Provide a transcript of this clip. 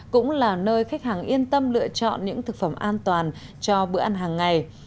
cũng là nơi khách hàng yên tâm lựa chọn những thực phẩm an toàn cho bữa ăn hàng ngày